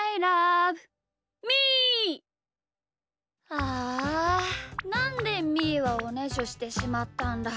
あなんでみーはおねしょしてしまったんだ。